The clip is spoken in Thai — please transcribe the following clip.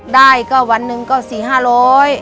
ได้ก็วันหนึ่งก็สี่ห้าร้อย